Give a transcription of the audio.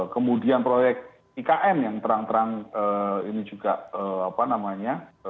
kemudian proyek ikn yang terang terang ini juga apa namanya